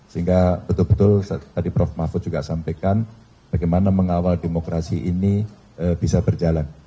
sehingga betul betul tadi prof mahfud juga sampaikan bagaimana mengawal demokrasi ini bisa berjalan